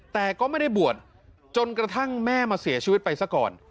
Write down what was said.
แต่ก็ไม่ได้บวชจนกระทั่งแม่มาเสียชีวิตไปซะก่อน